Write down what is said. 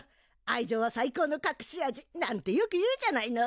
愛情は最高のかくし味なんてよく言うじゃないの！